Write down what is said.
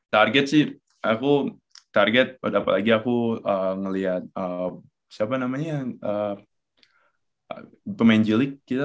target sih aku target apalagi aku ngeliat siapa namanya yang pemain g league kita